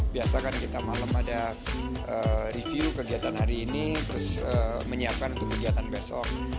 biasa kan kita malam ada review kegiatan hari ini terus menyiapkan untuk kegiatan besok